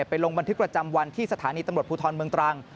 ลงบันทึกประจำวันที่สถานีตำรวจภูทรเมืองตรัง